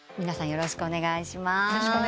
よろしくお願いします。